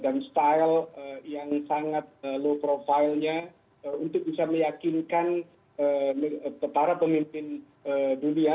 dan style yang sangat low profile nya untuk bisa meyakinkan para pemimpin dunia